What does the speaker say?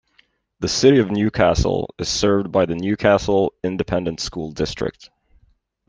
The City of Newcastle is served by the Newcastle Independent School District.